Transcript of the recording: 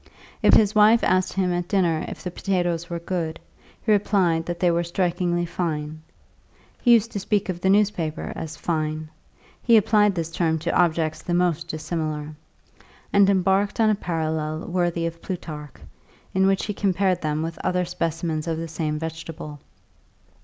If his wife asked him at dinner if the potatoes were good, he replied that they were strikingly fine (he used to speak of the newspaper as "fine" he applied this term to objects the most dissimilar), and embarked on a parallel worthy of Plutarch, in which he compared them with other specimens of the same vegetable.